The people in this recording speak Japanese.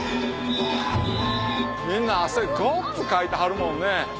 みんな汗ごっつかいてはるもんね。